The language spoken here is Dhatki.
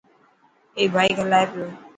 اي بائڪ هلائي پيو.